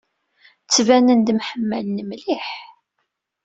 Ttbanen-d mḥemmalen mliḥ.